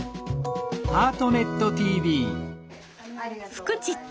「フクチッチ」